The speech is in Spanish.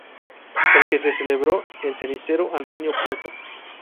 El que se celebró en Cenicero Antonio Prieto.